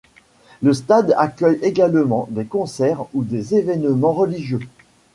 Le stade accueille également des concerts ou des événements religieux.